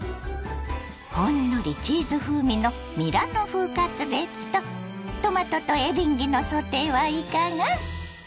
ほんのりチーズ風味のミラノ風カツレツとトマトとエリンギのソテーはいかが？